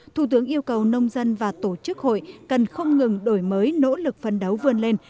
thủ tướng yêu cầu nông dân và tổ chức hội cần không ngừng đổi mới nỗ lực phân đấu vươn lên